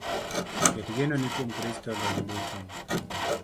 Ket genoni kuom Kristo ndalo duto